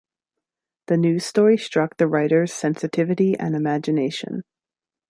The news story struck the writer's sensitivity and imagination.